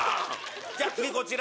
じゃあ次こちら。